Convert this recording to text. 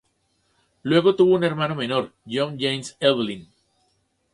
Luego tuvo un hermano menor, John James Evelyn.